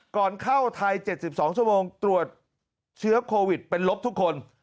ก่อนเข้าไทย๗๒ชั่วโมงตรวจเชื้อโควิดเป็นลบทุกคน